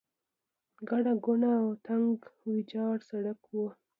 ګڼه ګوڼه او تنګ ویجاړ سړک و.